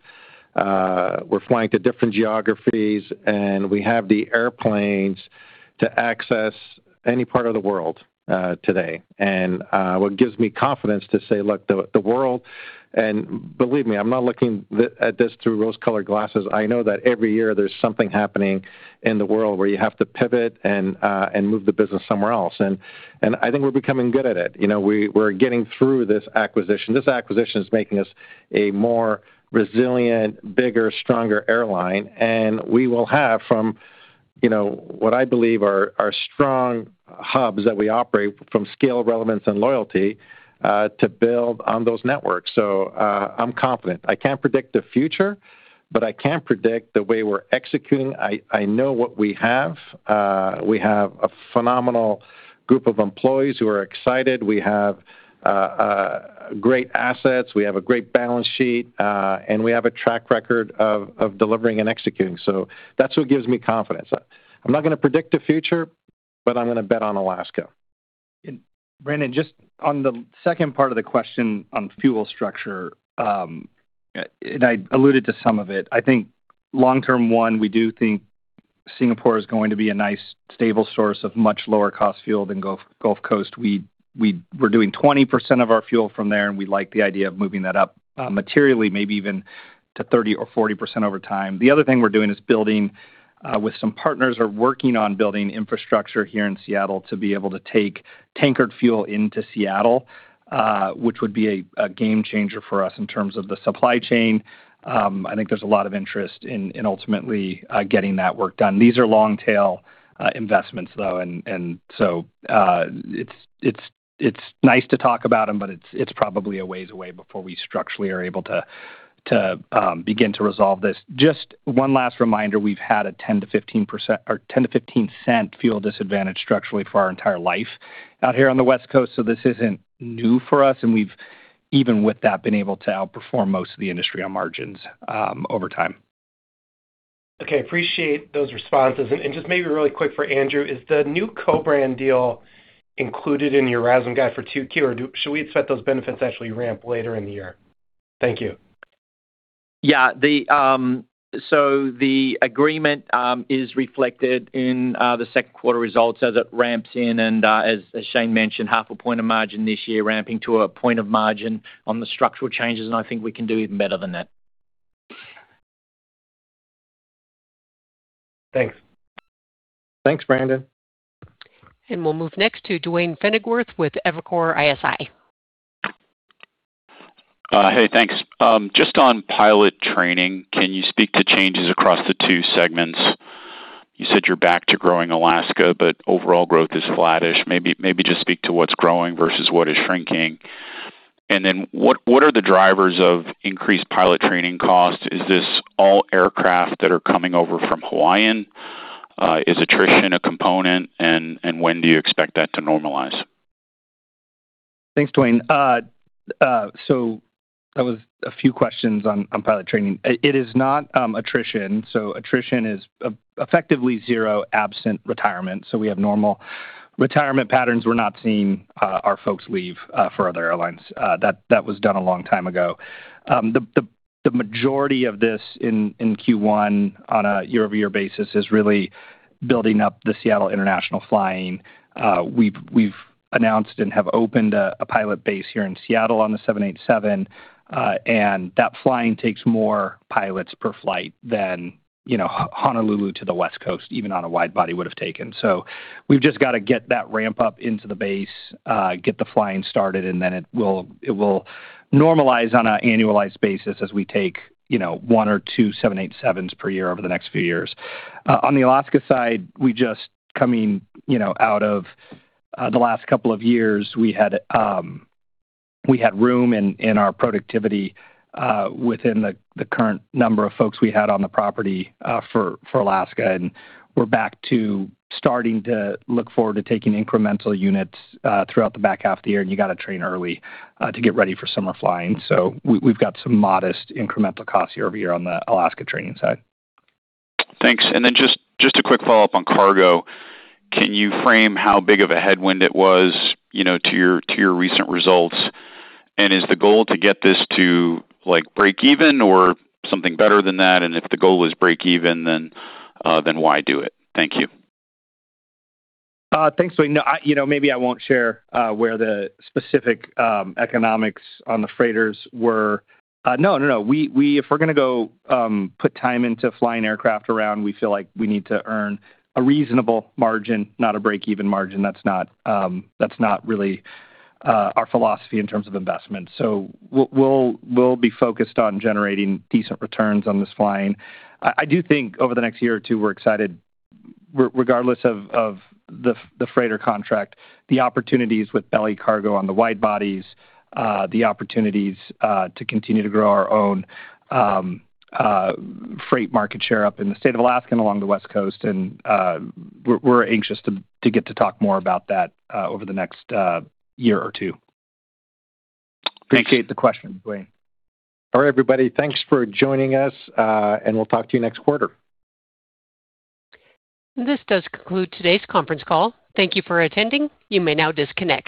flying to different geographies, and we have the airplanes to access any part of the world today. What gives me confidence to say, look, the world, and believe me, I'm not looking at this through rose-colored glasses. I know that every year there's something happening in the world where you have to pivot and move the business somewhere else. I think we're becoming good at it. We're getting through this acquisition. This acquisition is making us a more resilient, bigger, stronger airline, and we will have from what I believe are strong hubs that we operate from scale relevance and loyalty, to build on those networks. I'm confident. I can't predict the future, but I can predict the way we're executing. I know what we have. We have a phenomenal group of employees who are excited. We have great assets, we have a great balance sheet, and we have a track record of delivering and executing. That's what gives me confidence. I'm not gonna predict the future, but I'm gonna bet on Alaska. Brandon, just on the second part of the question on fuel structure, and I alluded to some of it. I think long-term, one, we do think Singapore is going to be a nice stable source of much lower cost fuel than Gulf Coast. We're doing 20% of our fuel from there, and we like the idea of moving that up materially, maybe even to 30% or 40% over time. The other thing we're doing is building with some partners or working on building infrastructure here in Seattle to be able to take tankered fuel into Seattle, which would be a game changer for us in terms of the supply chain. I think there's a lot of interest in ultimately getting that work done. These are long-tail investments, though, and so it's nice to talk about them, but it's probably a ways away before we structurally are able to begin to resolve this. Just one last reminder, we've had a $0.10-$0.15 fuel disadvantage structurally for our entire life out here on the West Coast, so this isn't new for us, and we've, even with that, been able to outperform most of the industry on margins over time. Okay. Appreciate those responses. Just maybe really quick for Andrew, is the new co-brand deal included in your RASM guide for 2Q, or should we expect those benefits to actually ramp later in the year? Thank you. Yeah. The agreement is reflected in the second quarter results as it ramps in and, as Shane mentioned, half a point of margin this year ramping to a point of margin on the structural changes, and I think we can do even better than that. Thanks. Thanks, Brandon. We'll move next to Duane Pfennigwerth with Evercore ISI. Hey, thanks. Just on pilot training, can you speak to changes across the two segments? You said you're back to growing Alaska, but overall growth is flattish. Maybe just speak to what's growing versus what is shrinking. What are the drivers of increased pilot training costs? Is this all aircraft that are coming over from Hawaiian? Is attrition a component, and when do you expect that to normalize? Thanks, Duane. That was a few questions on pilot training. It is not attrition. Attrition is effectively zero absent retirement. We have normal retirement patterns. We're not seeing our folks leave for other airlines. That was done a long time ago. The majority of this in Q1 on a year-over-year basis is really building up the Seattle International flying. We've announced and have opened a pilot base here in Seattle on the 787. That flying takes more pilots per flight than Honolulu to the West Coast, even on a wide body would've taken. We've just got to get that ramp up into the base, get the flying started, and then it will normalize on an annualized basis as we take 1 or 2 787s per year over the next few years. On the Alaska side, we're just coming out of the last couple of years. We had room in our productivity within the current number of folks we had on the property for Alaska, and we're back to starting to look forward to taking incremental units throughout the back half of the year, and you got to train early to get ready for summer flying. We've got some modest incremental costs year-over-year on the Alaska training side. Thanks. Just a quick follow-up on cargo. Can you frame how big of a headwind it was to your recent results, and is the goal to get this to break even or something better than that? If the goal is break even, then why do it? Thank you. Thanks, Duane. Maybe I won't share where the specific economics on the freighters were. No, if we're gonna go put time into flying aircraft around, we feel like we need to earn a reasonable margin, not a break-even margin. That's not really our philosophy in terms of investment. We'll be focused on generating decent returns on this flying. I do think over the next year or two, we're excited regardless of the freighter contract, the opportunities with belly cargo on the wide bodies, the opportunities to continue to grow our own freight market share up in the state of Alaska and along the West Coast, and we're anxious to get to talk more about that over the next year or two. Thanks. Appreciate the question, Duane. All right, everybody. Thanks for joining us, and we'll talk to you next quarter. This does conclude today's conference call. Thank you for attending. You may now disconnect.